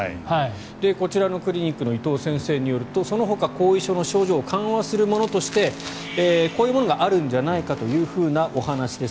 こちらのクリニックの伊藤先生によるとそのほか、後遺症の症状を緩和するものとしてこういうものがあるんじゃないかというお話です。